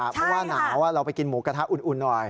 เพราะว่าหนาวเราไปกินหมูกระทะอุ่นหน่อย